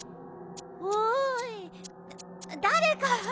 おいだれか。